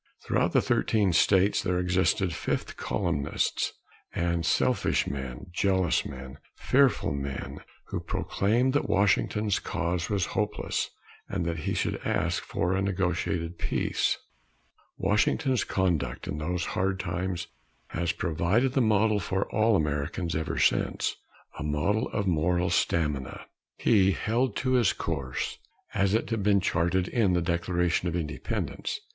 Throughout the thirteen states there existed fifth columnists and selfish men, jealous men, fearful men, who proclaimed that Washington's cause was hopeless, and that he should ask for a negotiated peace. Washington's conduct in those hard times has provided the model for all Americans ever since a model of moral stamina. He held to his course, as it had been charted in the Declaration of Independence.